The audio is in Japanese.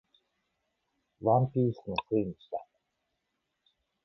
ワンピースのせいにした